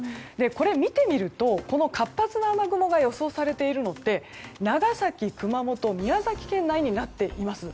これ見てみると、活発な雨雲が予想されているのって長崎、熊本、宮崎県内になっています。